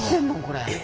これ。